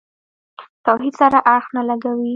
توحید سره اړخ نه لګوي.